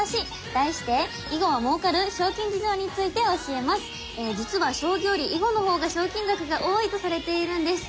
題して実は将棋より囲碁の方が賞金額が多いとされているんです。